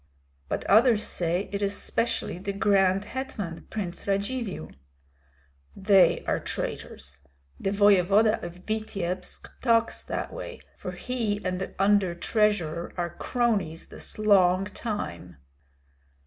"But others say it is specially the grand hetman, Prince Radzivill." "They are traitors. The voevoda of Vityebsk talks that way, for he and the under treasurer are cronies this long time."